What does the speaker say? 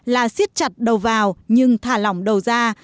là siết chặt đầu vào nhưng thả lỏng đầu ra